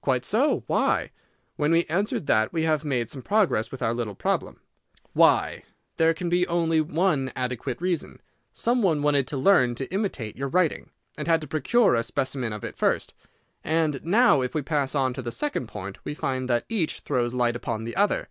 "Quite so. Why? When we answer that we have made some progress with our little problem. Why? There can be only one adequate reason. Some one wanted to learn to imitate your writing, and had to procure a specimen of it first. And now if we pass on to the second point we find that each throws light upon the other.